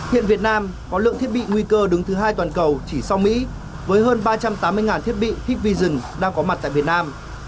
hiện việt nam có lượng thiết bị nguy cơ đứng thứ hai toàn cầu chỉ sau mỹ với hơn ba trăm tám mươi thiết bị hep vision đang có mặt tại việt nam